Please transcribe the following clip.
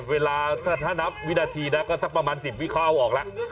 เวลาถ้านับวินาทีนะก็สักประมาณ๑๐วิเคราะห์เอาออกแล้ว